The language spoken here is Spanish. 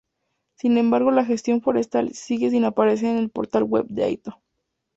Sin embargo la gestión forestal sigue sin aparecer en el portal web del Ayto.